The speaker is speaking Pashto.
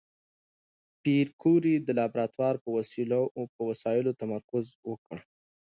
پېیر کوري د لابراتوار په وسایلو تمرکز وکړ.